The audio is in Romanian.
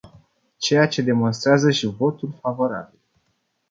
Ceea ce demonstrează și votul favorabil.